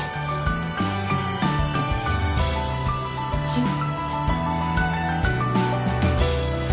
はい。